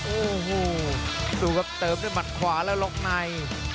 โอ้โหดูครับเติมด้วยหมัดขวาแล้วล็อกใน